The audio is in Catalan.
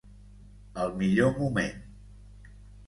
Al millor moment.